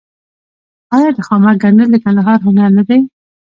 آیا د خامک ګنډل د کندهار هنر نه دی؟